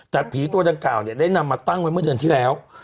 แต่ผีตัวดังกล่าวเนี่ยได้นำมาตั้งไว้เมื่อเดือนที่แล้ว